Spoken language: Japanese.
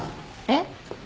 えっ？